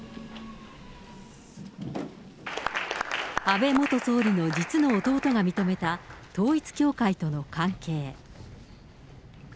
安倍元総理の実の弟が認めた統一教会との関係。